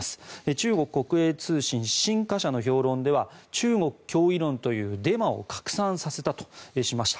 中国国営通信新華社の評論では中国脅威論というデマを拡散させたとしました。